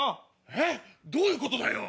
えっどういうことだよ？